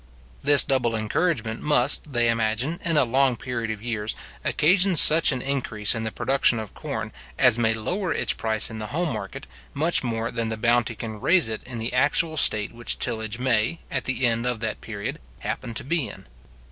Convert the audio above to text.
This double encouragement must they imagine, in a long period of years, occasion such an increase in the production of corn, as may lower its price in the home market, much more than the bounty can raise it in the actual state which tillage may, at the end of that period, happen to be in.